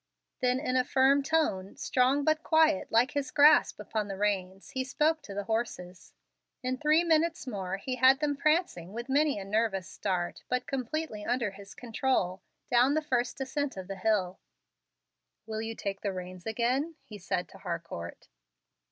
Then in a firm tone, strong but quiet like his grasp upon the reins, he spoke to the horses. In three minutes more he had them prancing with many a nervous start, but completely under his control, down the first descent of the hill. "Will you take the reins again?" he said to Harcourt.